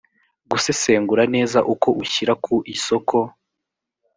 gusesengura neza uko ushyira ku isoko